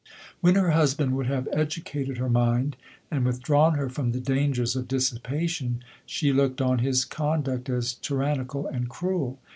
When her husband would have educated her mind, and withdrawn her from the dangers of dissipation, she looked on his conduct as tyran nical and cruel.